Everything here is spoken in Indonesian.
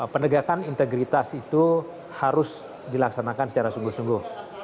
penegakan integritas itu harus dilaksanakan secara sungguh sungguh